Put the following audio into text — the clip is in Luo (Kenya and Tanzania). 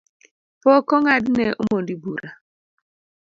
Pok ong’adne omondi Bura